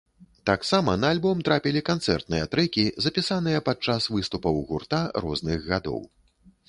Таксама на альбом трапілі канцэртныя трэкі, запісаныя пад час выступаў гурта розных гадоў.